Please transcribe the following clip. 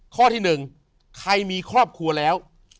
ข้อที่๑ใครมีครอบครัวแล้ว